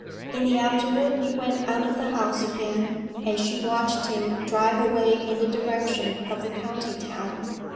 In the afternoon he went out of the house again, and she watched him drive away in the direction of the county town.